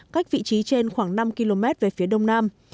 cách vị trí trên khoảng năm km về phía đông nam